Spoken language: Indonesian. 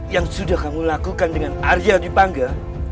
yang sudah kamu lakukan dengan arya di pangga